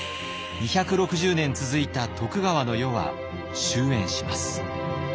２６０年続いた徳川の世は終えんします。